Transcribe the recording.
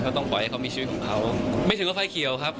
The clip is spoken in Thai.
เขาต้องปล่อยให้เขามีชีวิตของเขาไม่ถึงกับไฟเขียวครับ